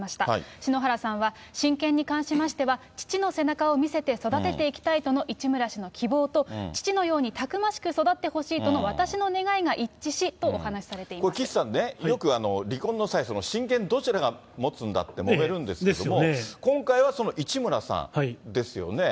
篠原さんは、親権に関しましては父の背中を見せて育てていきたいとの市村氏の希望と父のようにたくましく育ってほしいとの私の願いが一致しと、岸さんね、よく離婚の際、親権どちらが持つんだってもめるんですけれども、今回は市村さんですよね。